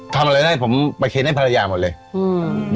ทำอะไรได้ผมมาเคนให้ภรรยาหมดเลยอืม